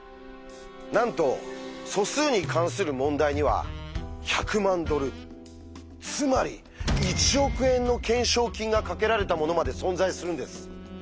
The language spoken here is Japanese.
なんと素数に関する問題には１００万ドルつまり１億円の懸賞金がかけられたものまで存在するんです。